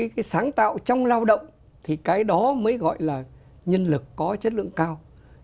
cái sáng tạo trong lao động thì cái đó mới gọi là nhân lực có chất lượng cao